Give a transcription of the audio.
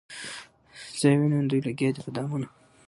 زه یې وینم دوی لګیا دي په دامونو